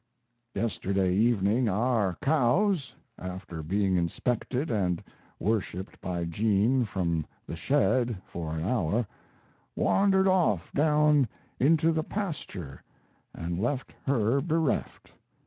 Yesterday evening our cows (after being inspected and worshiped by Jean from the shed for an hour) wandered off down into the pasture and left her bereft.